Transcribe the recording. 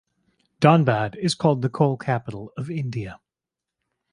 Dhanbad is called "The Coal Capital of India".